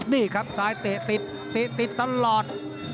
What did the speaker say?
นี่ครับซ้ายติดตลอด